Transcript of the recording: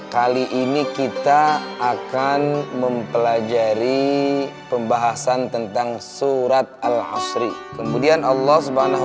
kali ini kita akan mempelajari pembahasan tentang surat al hasri kemudian allah